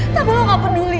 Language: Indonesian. tapi lu gak peduli